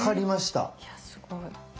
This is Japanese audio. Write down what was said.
いやすごい。